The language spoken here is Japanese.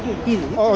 ああ。